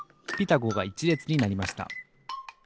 「ゴ」が１れつになりました。